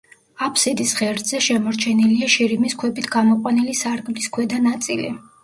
აბსიდის ღერძზე შემორჩენილია შირიმის ქვებით გამოყვანილი სარკმლის ქვედა ნაწილი.